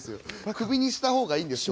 クビにした方がいいんですよ